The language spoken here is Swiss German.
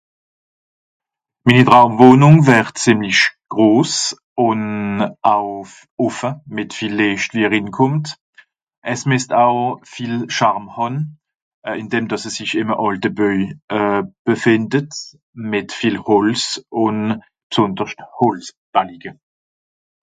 minni traum wohnùng wert zìmlich gross ùn auf òffe mìt viel lecht wie à rinkòmmt ess messt aw viel charme hàn a ìn dem dàss es isch ìm à àlte beuj euh befìndet mìt viel hòltz ùn b'sonderscht hòltz (balige)